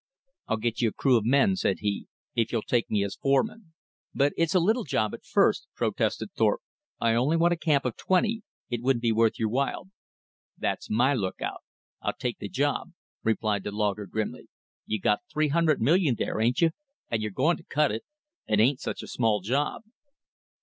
"I'll get you a crew of men," said he, "if you'll take me as foreman." "But it's a little job at first," protested Thorpe. "I only want a camp of twenty. It wouldn't be worth your while." "That's my look out. I'll take th' job," replied the logger grimly. "You got three hundred million there, ain't you? And you're goin' to cut it? It ain't such a small job."